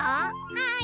はい。